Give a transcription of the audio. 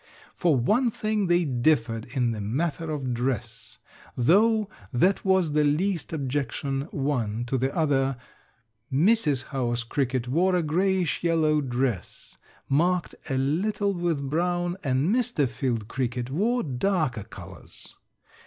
For one thing they differed in the matter of dress, though that was the least objection one to the other. Mrs. House Cricket wore a grayish yellow dress, marked a little with brown and Mr. Field Cricket wore darker colors.